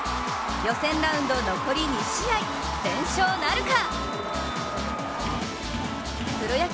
予選ラウンド、残り２試合全勝なるか？